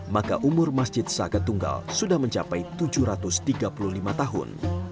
maka umur masjid saga tunggal sudah mencapai tujuh ratus tiga puluh lima tahun